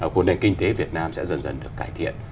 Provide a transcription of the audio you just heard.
của nền kinh tế việt nam sẽ dần dần được cải thiện